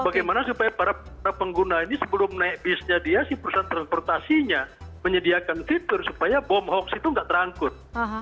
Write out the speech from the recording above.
bagaimana supaya para pengguna ini sebelum naik bisnya dia si perusahaan transportasinya menyediakan fitur supaya bom hoax itu tidak terangkut